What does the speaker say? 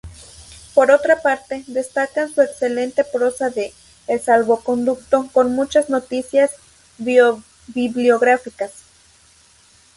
Por otra parte, destacan su excelente prosa de "El salvoconducto", con muchas noticias bio-bibliográficas.